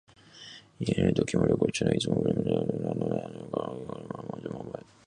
家にいるときも、旅行中も、いつもグラムダルクリッチが私の先生になってくれたので、この国の文字もおぼえ、